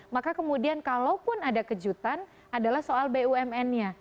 maka kemudian kalaupun ada kejutan adalah soal bumn nya